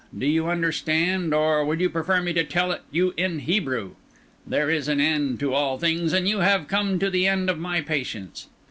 Do you understand, or would you prefer me to tell it you in Hebrew? There is an end to all things, and you have come to the end of my patience.